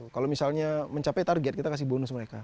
kalau misalnya mencapai target kita kasih bonus mereka